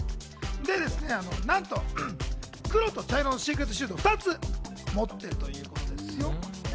なんと黒と茶色のシークレットシューズ２つ持っているということですよ。